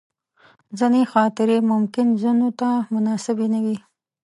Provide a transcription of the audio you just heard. ځینې خاطرې ممکن ځینو ته مناسبې نه وي.